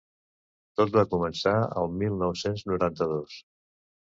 Tot va començar el mil nou-cents noranta-dos.